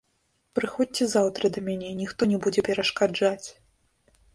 Прыходзьце заўтра да мяне, ніхто не будзе перашкаджаць.